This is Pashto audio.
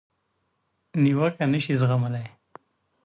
نیوکه نشي زغملای.